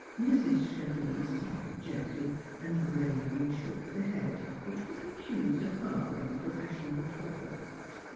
Mrs. Chevenix sighed gently, and gravely shook the head which was accused of harbouring professional twaddle.